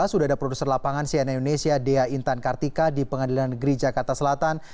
sudah ada produser lapangan cnn indonesia dea intan kartika di pengadilan negeri jakarta selatan